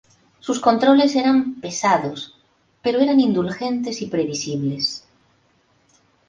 Sus controles eran pesados, pero eran indulgentes y previsibles.